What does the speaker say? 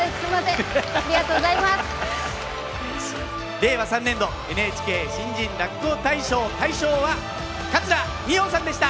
令和３年度ＮＨＫ新人落語大賞大賞は桂二葉さんでした！